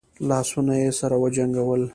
لاسونه يې سره وجنګول.